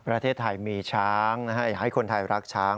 ประเทศไทยมีช้างให้คนไทยรักช้าง